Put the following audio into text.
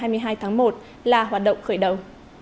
ngày hai mươi hai tháng một là hoạt động khởi đầu